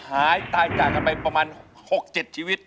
หายตายจากกันไปประมาณ๖๗ชีวิต